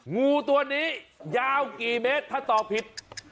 งูตัวนี้ยาวกี่เมตรถ้าตอบผิด